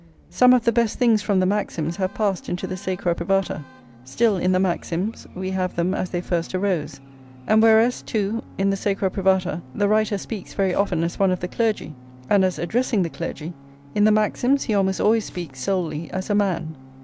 Some of the best things from the Maxims have passed into the Sacra Privata; still, in the Maxims, we have them as they first arose; and whereas, too, in the Sacra Privata the writer speaks very often as one of the clergy, and as addressing the clergy, in the Maxims he almost always speaks solely as a man.